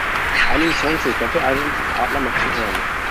Auf einigen Songs des Doppelalbums ist Adler noch zu hören.